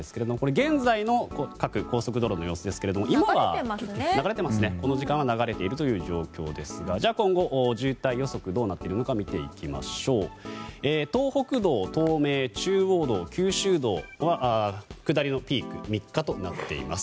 現在の各高速道路の様子ですがこの時間は流れているという状況ですが今後渋滞予測がどうなっているのか見てみましょう東北道、東名、中央道、九州道は下りのピーク３日となっています。